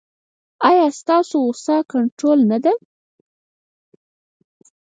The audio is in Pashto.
ایا ستاسو غوسه کنټرول نه ده؟